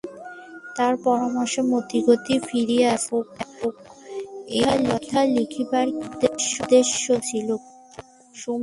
তার পরামর্শে মতিগতি ফিরিয়াছে, বাপকে একথা লিখিবার কী উদ্দেশ্য ছিল কুসুমের?